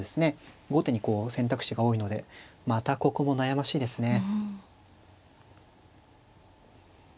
後手にこう選択肢が多いのでまたここも悩ましいですね。